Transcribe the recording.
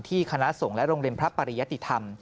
คณะสงฆ์และโรงเรียนพระปริยติธรรม